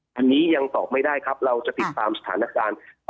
อันนี้ยังตอบไม่ได้ครับเราจะติดตามสถานการณ์